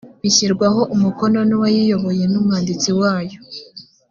bishyirwaho umukono n’uwayiyoboye n’umwanditsi wayo